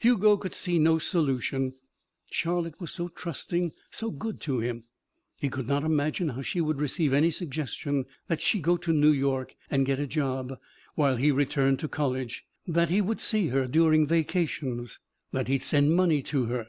Hugo could see no solution. Charlotte was so trusting, so good to him. He could not imagine how she would receive any suggestion that she go to New York and get a job, while he returned to college, that he see her during vacations, that he send money to her.